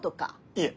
いえ！